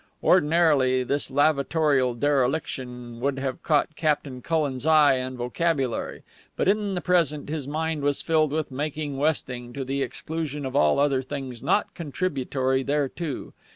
Ordinarily this lavatorial dereliction would have caught Captain Cullen's eye and vocabulary, but in the present his mind was filled with making westing, to the exclusion of all other things not contributory thereto.